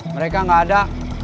mereka gak ada